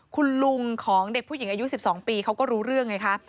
คุณลุงของเด็กผู้หญิงอายุ๑๒ปีเขาก็รู้เรื่องไงคะ